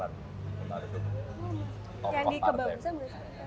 yang dikebang saya menurut saya